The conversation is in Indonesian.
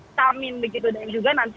stamin dan juga nanti